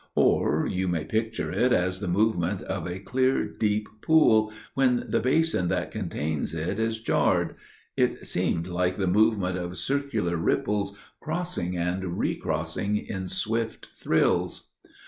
Or you may picture it as the movement of a clear deep pool when the basin that contains it is jarred––it seemed like the movement of circular ripples crossing and recrossing in swift thrills.